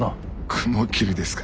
雲霧ですか。